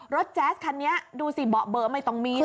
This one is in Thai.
แจ๊สคันนี้ดูสิเบาะเบอร์ไม่ต้องมี